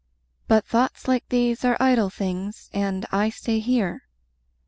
But thoughts like these are idle things, And I stay here.